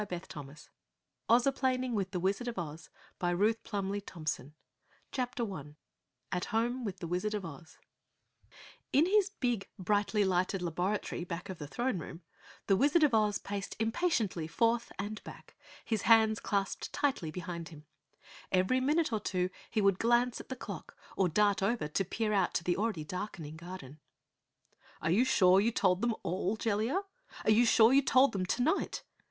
19 The Travellers Return! 20 Azarine Is Restored to Red Top [Illustration: Map of Oz] CHAPTER 1 At Home with the Wizard of Oz In his big brightly lighted laboratory back of the throne room, the Wizard of Oz paced impatiently forth and back, his hands clasped tightly behind him. Every minute or two he would glance at the clock or dart over to peer out to the already darkening garden. "Are you sure you told them all, Jellia? Are you sure you told them tonight?"